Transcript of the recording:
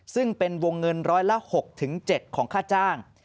ซึ่งเป็นวงเงินร้อยละ๖๗ของค่าจ้าง